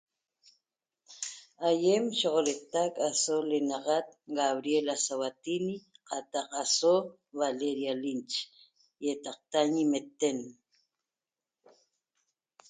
Aýem sho'oxodeetac aso l'enaxat Gabriela Sabatini qataq aso Valeria Linch ýataqta ñimeten